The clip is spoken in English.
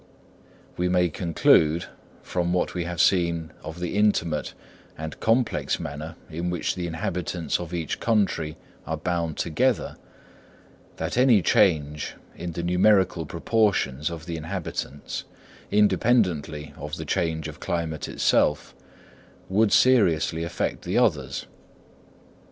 We may conclude, from what we have seen of the intimate and complex manner in which the inhabitants of each country are bound together, that any change in the numerical proportions of the inhabitants, independently of the change of climate itself, would seriously affect the others.